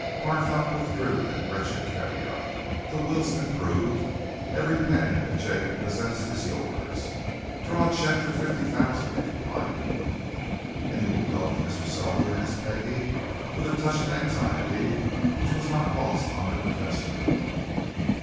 Barthorpe withdrew that wretched caveat the will's been proved every penny that Jacob possessed is yours. Draw a cheque for fifty thousand, if you like!" "And you will go with Mr. Selwood?" asked Peggie, with a touch of anxiety which was not lost on the Professor.